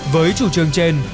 với chủ trương trên